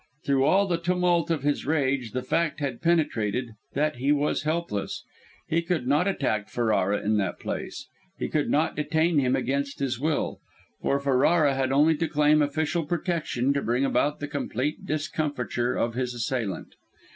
Through all the tumult of his rage, the fact had penetrated that he was helpless. He could not attack Ferrara in that place; he could not detain him against his will. For Ferrara had only to claim official protection to bring about the complete discomfiture of his assailant.